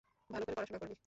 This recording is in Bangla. ভালো করে পড়াশোনা করবি।